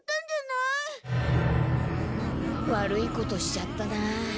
悪いことしちゃったなあ。